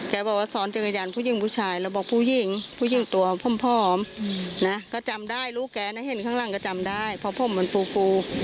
บอกว่าซ้อนจักรยานผู้หญิงผู้ชายแล้วบอกผู้หญิงผู้หญิงตัวผอมนะก็จำได้ลูกแกนะเห็นข้างหลังก็จำได้เพราะผมมันฟูฟู